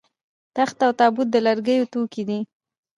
تخت او تابوت د لرګیو توکي دي